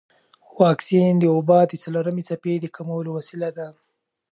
واکسن د وبا د څلورمې څپې د کمولو وسیله ده.